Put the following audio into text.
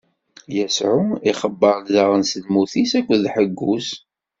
Yasuɛ ixebbeṛ-d daɣen s lmut-is akked ḥeggu-s.